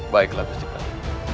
baiklah gusti prabu